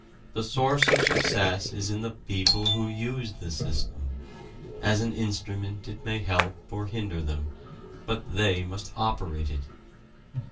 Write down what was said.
The source of success is in the people who use the system: as an instrument it may help or hinder them, but they must operate it.